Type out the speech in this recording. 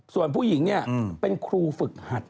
ส่วนผู้หญิงเป็นครูฝึกหัด